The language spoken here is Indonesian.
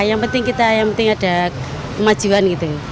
yang penting kita ada kemajuan